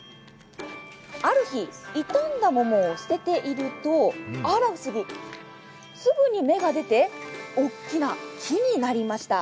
ある日、傷んだ桃を捨てているとあら不思議、すぐに芽が出て大きな木になりました。